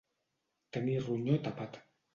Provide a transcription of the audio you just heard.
Tenir ronyó tapat.